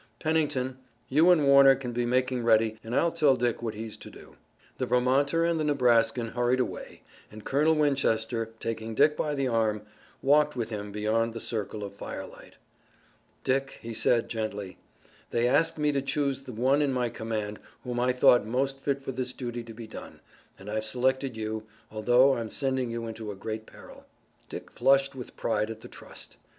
Pennington, you and Warner can be making ready and I'll tell Dick what he's to do." The Vermonter and the Nebraskan hurried away and Colonel Winchester, taking Dick by the arm, walked with him beyond the circle of firelight. "Dick," he said gently, "they asked me to choose the one in my command whom I thought most fit for this duty to be done, and I've selected you, although I'm sending you into a great peril." Dick flushed with pride at the trust.